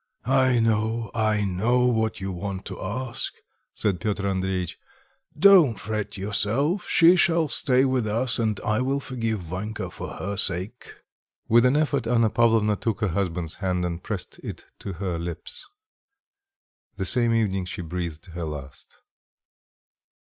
"I know, I know, what you want to ask," said Piotr Andreitch; "don't fret yourself, she shall stay with us, and I will forgive Vanka for her sake." With an effort Anna Pavlovna took her husband's hand and pressed it to her lips. The same evening she breathed her last.